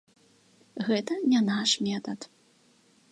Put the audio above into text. Гэта не наш метад.